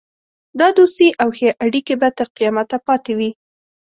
دا دوستي او ښې اړېکې به تر قیامته پاته وي.